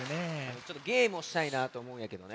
ちょっとゲームをしたいなとおもうんやけどね。